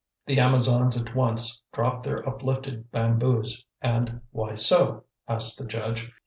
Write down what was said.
The Amazons at once dropped their uplifted bamboos, and "Why so?" asked the judge.